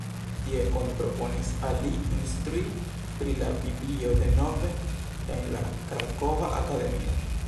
Tie oni proponis al li instrui pri la Biblio denove en la Krakova Akademio.